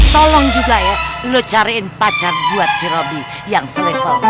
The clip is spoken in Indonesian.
tolong juga ya lu cariin pacar buat si robi yang selevel